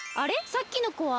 さっきのこは？